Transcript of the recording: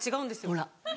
ほら。